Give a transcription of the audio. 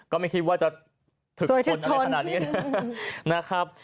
ก็ไม่คิดว่าจะถึกคนอะไรขนาดนี้นะครับ